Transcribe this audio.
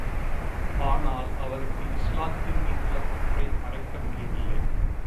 ஆனால், அவருக்கு இஸ்லாத்தின் மீதுள்ள பற்றை மறைக்க முடியவில்லை.